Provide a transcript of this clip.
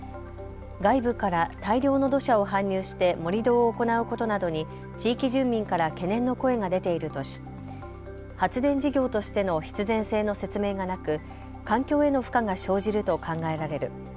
外部から大量の土砂を搬入して盛り土を行うことなどに地域住民から懸念の声が出ているとし発電事業としての必然性の説明がなく環境への負荷が生じると考えられる。